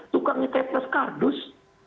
tukangnya tetes kardus